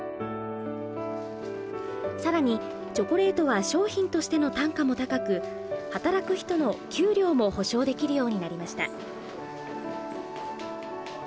さらにチョコレートは商品としての単価も高く働く人の給料も保証できるようになりました。